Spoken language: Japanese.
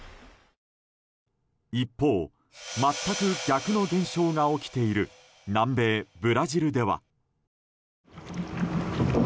一方、全く逆の現象が起きている南米ブラジルでは。